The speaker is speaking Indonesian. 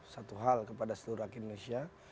satu hal kepada seluruh rakyat indonesia